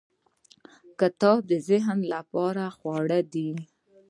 • کتاب د ذهن لپاره خواړه دی.